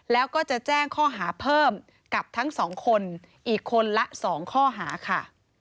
แล้วก็จะแจ้งข้อหาเพิ่มกับทั้งสองคนอีกคนละ๒ข้อหาค่ะ